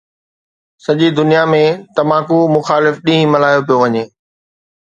سڄي دنيا ۾ تمباڪو مخالف ڏينهن ملهايو پيو وڃي